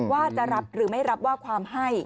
ว่าจะรับหรือไม่รับว่าความให้